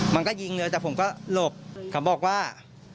มันก็ยิงเลยแต่ผมก็หลบเขาบอกว่า